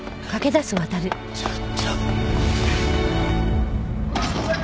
ちょっと！